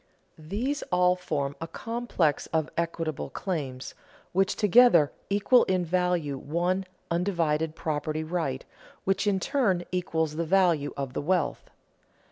These all form a complex of equitable claims, which together equal in value one undivided property right, which in turn equals the value of the wealth.